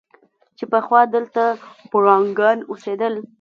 چې پخوا دلته پړانګان اوسېدل.